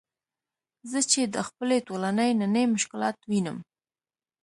زه چې د خپلې ټولنې نني مشکلات وینم.